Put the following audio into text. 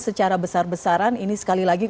secara besar besaran ini sekali lagi